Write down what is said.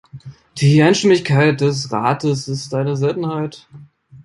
Die Einstimmigkeit des Rates ist eine Seltenheit.